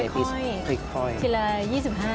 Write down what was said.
ทีละ๒๕